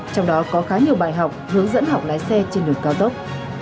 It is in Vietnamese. trong đó có khá nhiều bài học hướng dẫn học lái xe trên đường cao tốc